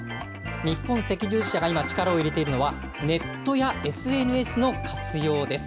日本赤十字社が今、力を入れているのは、ネットやＳＮＳの活用です。